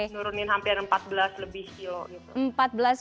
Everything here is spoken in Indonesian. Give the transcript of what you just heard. nurunin hampir empat belas lebih kilo gitu